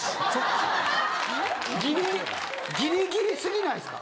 ギリギリすぎないっすか？